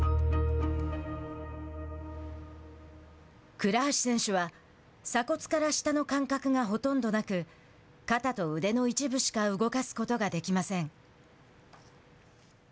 倉橋選手は鎖骨から下の感覚がほとんどなく肩と腕の一部しか動かすことができません。